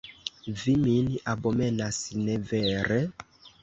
Vi min abomenas, ne vere?